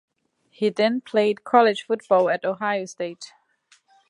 He then played college football at Ohio State.